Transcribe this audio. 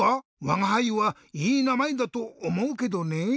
わがはいはいいなまえだとおもうけどねぇ。